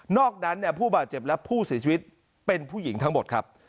อกนั้นผู้บาดเจ็บและผู้เสียชีวิตเป็นผู้หญิงทั้งหมดครับ